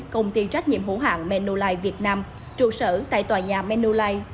công ty trách nhiệm hữu hạng menolite việt nam trụ sở tại tòa nhà menolite